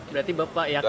berarti bapak yakin